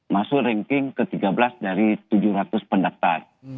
masuk ranking ke tiga belas dari tujuh ratus pendaftar